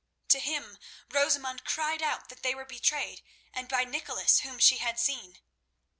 To him Rosamund cried out that they were betrayed and by Nicholas, whom she had seen.